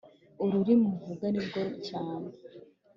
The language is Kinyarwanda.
ururimi uvuga nirwo cyane